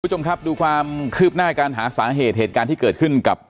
คุณผู้ชมครับดูความคืบหน้าการหาสาเหตุเหตุการณ์ที่เกิดขึ้นกับ